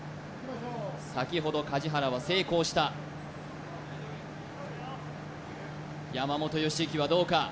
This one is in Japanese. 先ほど梶原は成功した山本良幸はどうか？